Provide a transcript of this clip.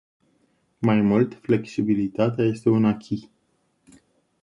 Mai mult, flexibilitatea este un "acquis”.